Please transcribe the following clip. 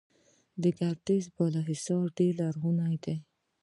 د ګردیز بالاحصار ډیر لرغونی دی